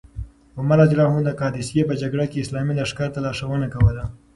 عمر رض د قادسیې په جګړه کې اسلامي لښکر ته لارښوونه کوله.